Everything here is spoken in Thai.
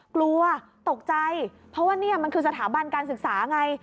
กลัวตกใจเพราะว่านี่มันคือสถาบันการศึกษาไง